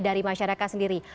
dari masyarakat sendiri